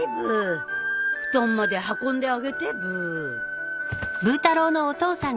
布団まで運んであげてブー。